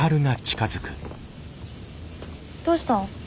どうしたん？